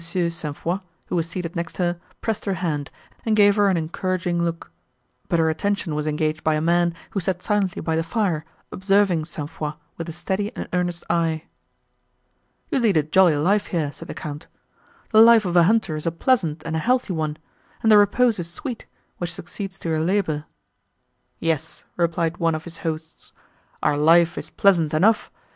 St. Foix, who was seated next her, pressed her hand, and gave her an encouraging look, but her attention was engaged by a man, who sat silently by the fire, observing St. Foix, with a steady and earnest eye. "You lead a jolly life here," said the Count. "The life of a hunter is a pleasant and a healthy one; and the repose is sweet, which succeeds to your labour." "Yes," replied one of his hosts, "our life is pleasant enough.